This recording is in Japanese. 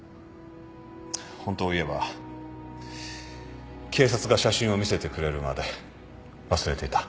本当いえば警察が写真を見せてくれるまで忘れていた。